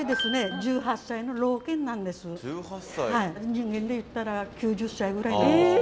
人間で言ったら９０歳ぐらいなんですよ。